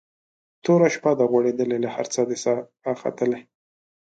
توره شپه ده غوړېدلې له هر څه ده ساه ختلې